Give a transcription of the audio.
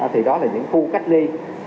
thì đó là những khu cách ly